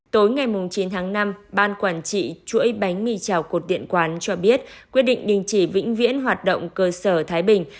tối ngày chín tháng năm ban quản trị chuỗi bánh mì trào cột điện quán cho biết quyết định đình chỉ vĩnh viễn hoạt động cơ sở thái bình